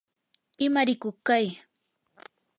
imarikuq kay